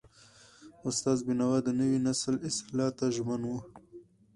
استاد بینوا د نوي نسل اصلاح ته ژمن و.